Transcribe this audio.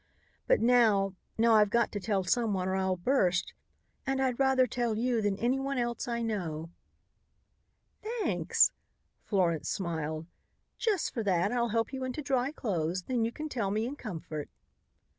But now now I've got to tell someone or I'll burst, and I'd rather tell you than anyone else I know." "Thanks," Florence smiled. "Just for that I'll help you into dry clothes, then you can tell me in comfort."